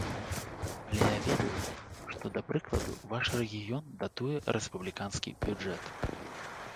Але я ведаю, што, да прыкладу, ваш рэгіён датуе рэспубліканскі бюджэт.